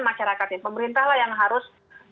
masyarakatnya pemerintah lah yang harus